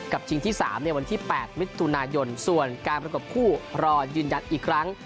ชิงที่๓ในวันที่๘มิถุนายนส่วนการประกบคู่รอยืนยันอีกครั้ง